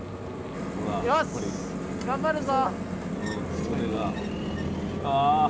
よし頑張るぞ！